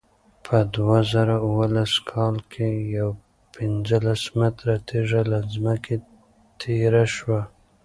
په دوه زره اوولس کال کې یوه پنځلس متره تېږه له ځمکې تېره شوه.